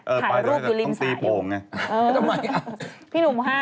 เออทำไมอะ